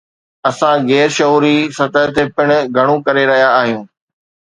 اسان غير شعوري سطح تي پڻ گهڻو ڪري رهيا آهيون.